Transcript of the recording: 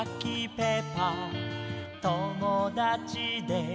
ペーパーともだちで」